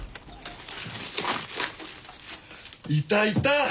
いたいた！